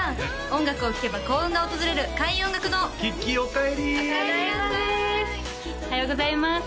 音楽を聴けば幸運が訪れる開運音楽堂きっきーおかえりただいまです